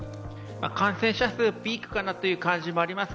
感染者数、ピークかなという感じもあります